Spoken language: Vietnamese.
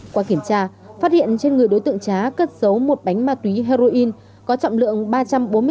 qua kiểm tra phát hiện trên người đối tượng trá cất giấu một bánh ma túy heroin có trọng lượng ba trăm bốn mươi sáu chín mươi ba gram